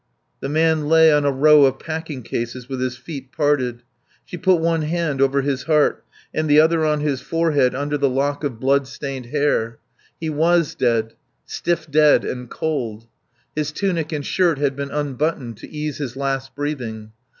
The man lay on a row of packing cases with his feet parted. She put one hand over his heart and the other on his forehead under the lock of bloodstained hair. He was dead: stiff dead and cold. His tunic and shirt had been unbuttoned to ease his last breathing.